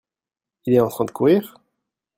Il est en train de courir ?